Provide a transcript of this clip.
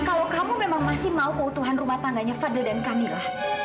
kalau kamu memang masih mau keutuhan rumah tangganya fadil dan camillah